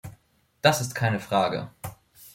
Das ist keine Frage!